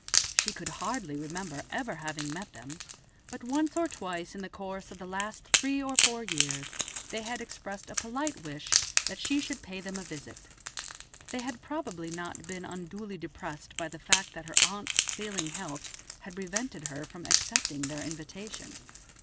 She could hardly remember ever having met them, but once or twice in the course of the last three or four years they had expressed a polite wish that she should pay them a visit; they had probably not been unduly depressed by the fact that her aunt's failing health had prevented her from accepting their invitation.